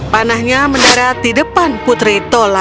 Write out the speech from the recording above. panahnya mendarat di depan putri tola